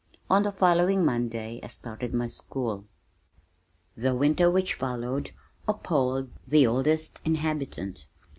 On the following Monday I started my school. The winter which followed appalled the oldest inhabitant.